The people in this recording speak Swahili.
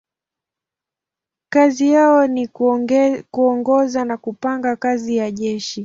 Kazi yao ni kuongoza na kupanga kazi ya jeshi.